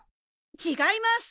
違います！